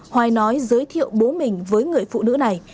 hoài nói giới thiệu bố mình với người phụ nữ này